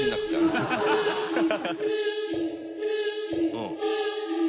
うん。